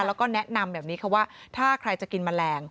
แล้วก็แนะนำแบบนี้ค่ะว่าถ้าใครจะกินแมลง